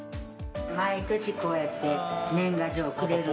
毎年、こうやって年賀状くれる。